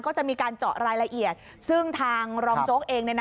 ก็จะมีการเจาะรายละเอียดซึ่งทางรองโจ๊กเอง